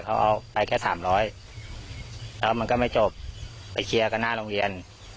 เขาเอาไปแค่สามร้อยแล้วมันก็ไม่จบไปเคลียร์กันหน้าโรงเรียน